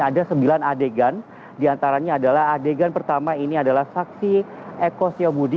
ada sembilan adegan diantaranya adalah adegan pertama ini adalah saksi eko syobudi